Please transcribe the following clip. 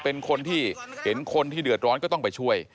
เป็นคนที่เห็นคนที่เดือดร้อนก็ต้องไปช่วย